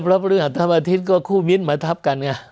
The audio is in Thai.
เพราะเรื่องอัตภาพอาทิตย์ก็คู่มิตรมาทับกันไง